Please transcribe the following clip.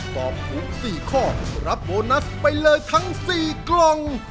ตอบถูก๔ข้อรับโบนัสไปเลยทั้ง๔กล่อง